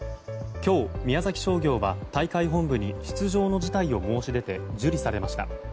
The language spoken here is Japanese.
今日、宮崎商業は大会本部に出場の辞退を申し出て受理されました。